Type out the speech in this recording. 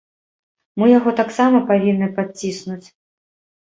Мы яго таксама павінны падціснуць.